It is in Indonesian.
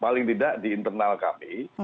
paling tidak di internal kami